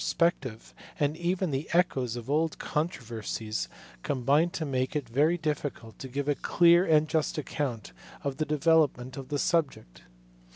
265 spective, and even the echoes of old controversies combine to make it very difficult to give a clear and just account of the development of the subject.